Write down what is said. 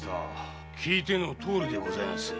聞いてのとおりでございますよ。